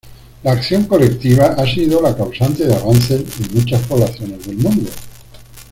La acción colectiva ha sido la causante de avances en muchas poblaciones del mundo.